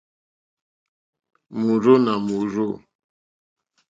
Mòrzô nà mòrzô.